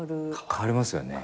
変わりますよね。